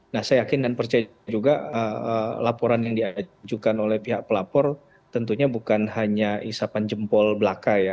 nah saya yakin dan percaya juga laporan yang diajukan oleh pihak pelapor tentunya bukan hanya isapan jempol belaka ya